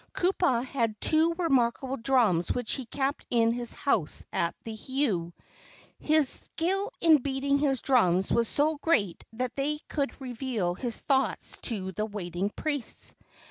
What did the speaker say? Kupa had two remarkable drums which he kept in his house at the heiau. His skill in beating his drums was so great that they could reveal his thoughts to the waiting priests.